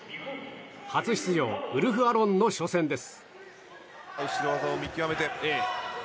初出場ウルフ・アロンの初戦です。